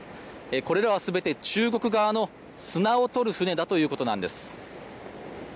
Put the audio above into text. これらは全て中国側の砂を採る船だということなんです。